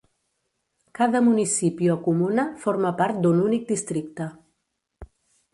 Cada municipi o comuna forma part d'un únic districte.